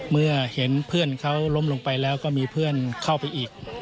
เมื่อเห็นเพื่อนเขาล้มลงไปแล้วก็มีเพื่อนเข้าไปอีก